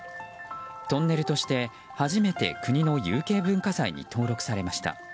トンネルとして初めて国の有形文化財に登録されました。